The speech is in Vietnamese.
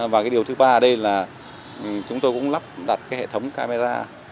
và cái điều thứ ba ở đây là chúng tôi cũng lắp đặt cái hệ thống camera